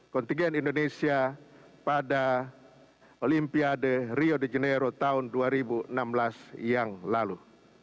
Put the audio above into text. kontingen indonesia pada olimpiade rio de janeiro tahun dua ribu enam belas yang lalu